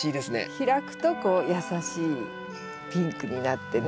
開くとこう優しいピンクになってね。